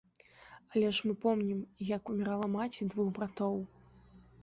Але ж мы помнім, як умірала маці двух братоў.